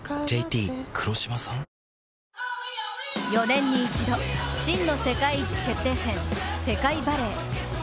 ４年に一度、真の世界一決定戦、世界バレー。